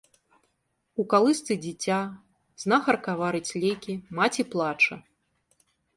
У калысцы дзіця, знахарка варыць лекі, маці плача.